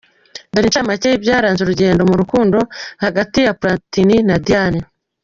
Dore incamake y’ibyaranze urugendo mu rukundo hagati ya Platini na Diane.